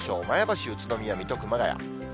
前橋、宇都宮、水戸、熊谷。